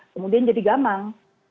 kemudian jadi gamang